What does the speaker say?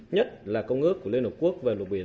nhất là công ước của liên hợp quốc